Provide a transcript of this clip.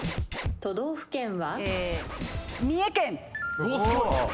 都道府県は？